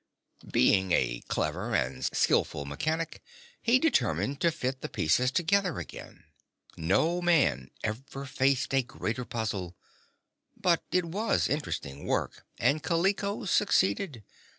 Being a clever and skillful mechanic he determined to fit the pieces together again. No man ever faced a greater puzzle; but it was interesting work and Kaliko succeeded.